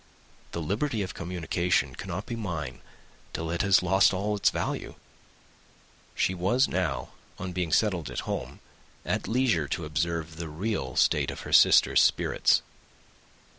The liberty of communication cannot be mine till it has lost all its value!" She was now, on being settled at home, at leisure to observe the real state of her sister's spirits.